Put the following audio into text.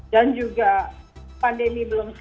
dan juga pandemi belum selesai